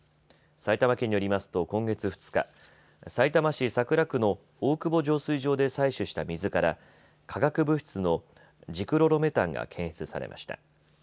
埼玉県によりますと今月２日、さいたま市桜区の大久保浄水場で採取した水から化学物質のジクロロメタンが検出されました。